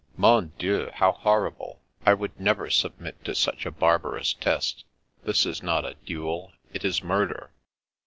" Mon Dieu, how horrible! I would never sub mit to such a barbarous test. That is not a duel, it is murder."